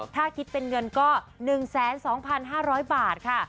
ถ้าคิดเป็นเงินก็๑๒๕๐๐บาทค่ะ